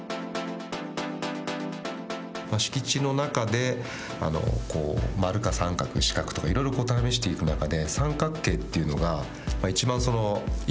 敷地の中で丸か三角四角とかいろいろ試していく中で三角形というのが一番一辺の長さがとれますし